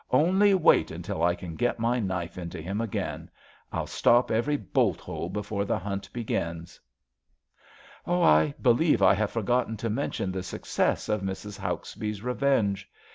Only wait until I can get my knife into him again. I'll stop every bolt hole before the hunt begins/' Oh, I believe I have forgotten to mention the success of Mrs. Hauksbee's revenge.